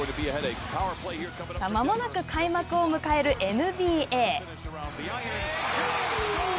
まもなく開幕を迎えるＮＢＡ。